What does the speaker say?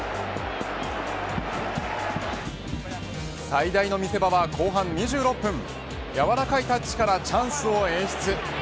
最大の見せ場は後半２６分やわらかいタッチからチャンスを演出。